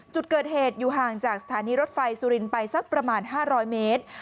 จุดเกิดเหตุอยู่ห่างจากสถานีรถไฟสุรินทร์ไปสักประมาณ๕๐๐เมตร